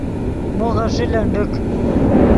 مو غیݰے لنڈیک